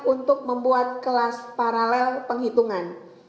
untuk membuat kelas paralel penghitungan